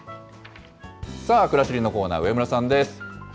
さあ、くらしりのコーナー、上村さんです。